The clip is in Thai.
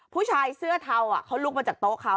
ผู้ชายเสื้อเทาเขาลุกมาจากโต๊ะเขา